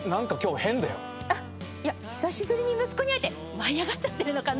久しぶりに息子に会えて舞い上がっちゃってるのかな。